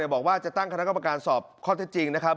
บอกว่าจะตั้งคณะกรรมการสอบข้อเท็จจริงนะครับ